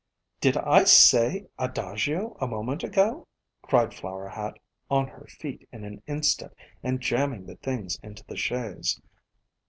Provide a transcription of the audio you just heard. "Did I say Adagio a moment ago?" cried Flower Hat, on her feet in an instant, and jamming the things into the chaise.